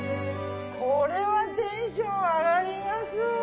これはテンション上がります。